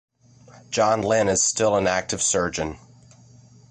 John Lynn is still an active surgeon.